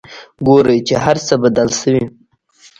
ګوري چې هرڅه بدل شوي.